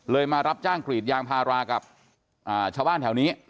มารับจ้างกรีดยางพารากับชาวบ้านแถวนี้